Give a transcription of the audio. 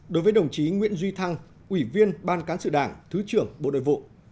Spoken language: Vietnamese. bảy đối với đồng chí nguyễn duy thăng ủy viên ban cán sự đảng thứ trưởng bộ nội vụ